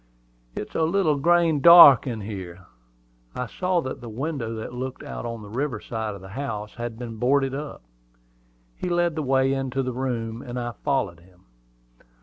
"It's a little grain dark in here." I saw that the window that looked out on the river side of the house had been boarded up. He led the way into the room, and I followed him.